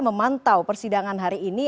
memantau persidangan hari ini